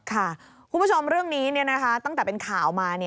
คุณผู้ชมเรื่องนี้ตั้งแต่เป็นข่าวมา